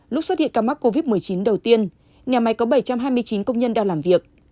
lúc xuất hiện ca mắc covid một mươi chín đầu tiên nhà máy có bảy trăm hai mươi chín công nhân đang làm việc